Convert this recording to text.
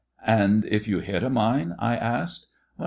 "And if you hit a mine?" I asked.